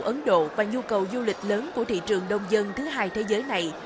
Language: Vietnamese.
ấn độ và nhu cầu du lịch lớn của thị trường đông dân thứ hai thế giới này